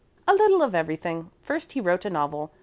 "A little of everything. First he wrote a novel.